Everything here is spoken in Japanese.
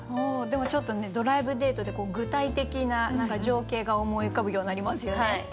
でもちょっと「ドライブデート」で具体的な情景が思い浮かぶようになりますよね。